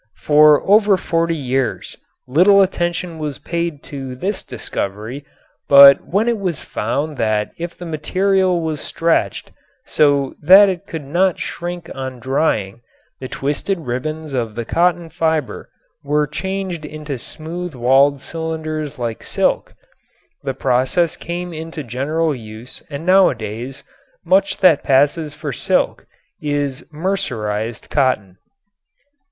For over forty years little attention was paid to this discovery, but when it was found that if the material was stretched so that it could not shrink on drying the twisted ribbons of the cotton fiber were changed into smooth walled cylinders like silk, the process came into general use and nowadays much that passes for silk is "mercerized" cotton.